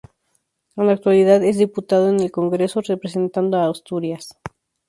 En la actualidad es diputado en el Congreso, representando a Asturias.